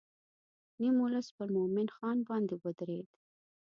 نیم ولس پر مومن خان باندې ودرېد.